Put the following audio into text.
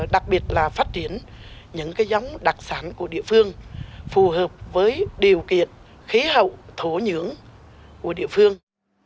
đặc biệt là phát triển những cái giống đặc sản của địa phương phù hợp với điều kiện khí hậu thố nhưỡng của địa phương